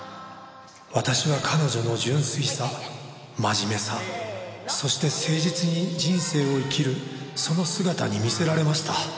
「私は彼女の純粋さ真面目さそして誠実に人生を生きるその姿に魅せられました」